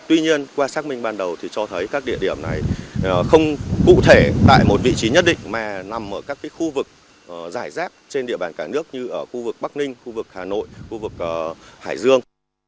tuy nhiên qua xác minh ban đầu thì cho thấy các địa điểm này không cụ thể tại một vị trí nhất định mà nằm ở các khu vực giải rác trên địa bàn cả nước như ở khu vực bắc ninh khu vực hà nội khu vực hải dương